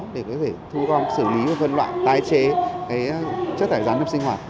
để có thể thu gom xử lý và phân loại tái chế chất thải rắn trong sinh hoạt